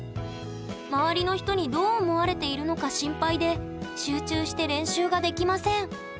周りの人にどう思われているのか心配で集中して練習ができません。